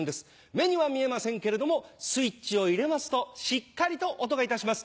目には見えませんけれどもスイッチを入れますとしっかりと音がいたします。